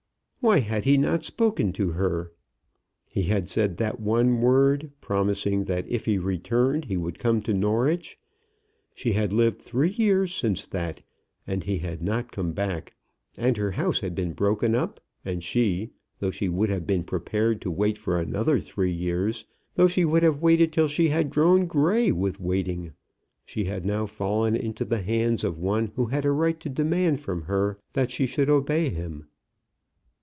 Why had he not spoken to her? He had said that one word, promising that if he returned he would come to Norwich. She had lived three years since that, and he had not come back. And her house had been broken up, and she, though she would have been prepared to wait for another three years, though she would have waited till she had grown grey with waiting, she had now fallen into the hands of one who had a right to demand from her that she should obey him.